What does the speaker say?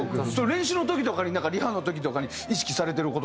練習の時とかにリハの時とかに意識されてる事とかある？